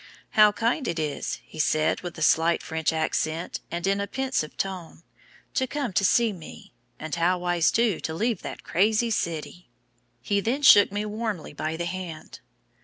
'How kind it is,' he said, with a slight French accent and in a pensive tone, 'to come to see me; and how wise, too, to leave that crazy city.' He then shook me warmly by the hand.